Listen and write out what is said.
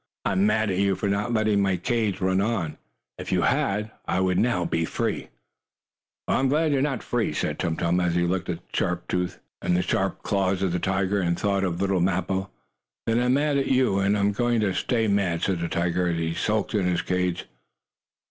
I am mad at you for not letting my cage run on. If you had, I would now be free." "Well, I am glad you are not free," said Tum Tum, as he looked at the sharp teeth and sharp claws of the tiger, and thought of little Mappo. "Then I am mad at you, and I am going to stay mad," said the tiger, and he sulked in his cage.